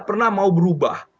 pernah mau berubah